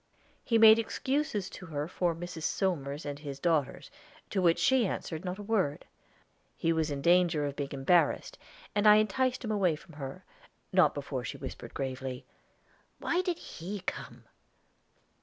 He made excuses to her for Mrs. Somers and his daughters to which she answered not a word. He was in danger of being embarrassed, and I enticed him away from her not before she whispered gravely, "Why did he come?"